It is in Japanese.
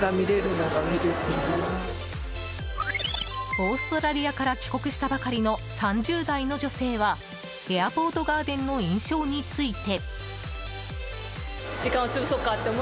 オーストラリアから帰国したばかりの３０代の女性はエアポートガーデンの印象について。